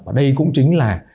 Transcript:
và đây cũng chính là